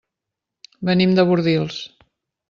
Venim de Bordils.